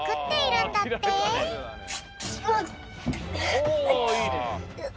おおいいね！